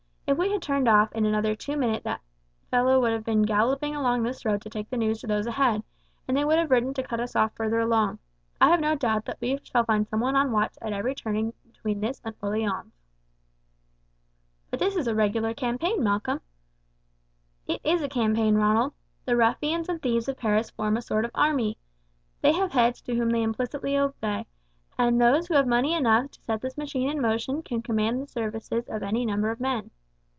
If we had turned off, in another two minutes that fellow would have been galloping along this road to take the news to those ahead, and they would have ridden to cut us off further along. I have no doubt we shall find someone on watch at every turning between this and Orleans." "But this is a regular campaign, Malcolm." "It is a campaign, Ronald. The ruffians and thieves of Paris form a sort of army. They have heads whom they implicitly obey, and those who have money enough to set this machine in motion can command the services of any number of men.